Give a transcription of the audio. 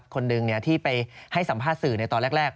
คนหนึ่งที่ไปให้สัมภาษณ์สื่อในตอนแรก